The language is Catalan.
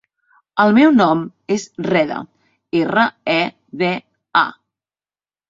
El meu nom és Reda: erra, e, de, a.